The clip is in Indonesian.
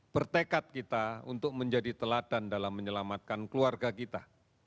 bertekad kita untuk menjadi teladan dalam menyelamatkan keluarga kita